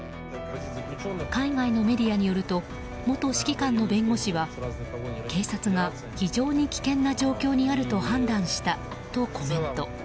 海外のメディアによると元指揮官の弁護士は警察が非常に危険な状況にあると判断したとコメント。